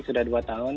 sudah dua tahun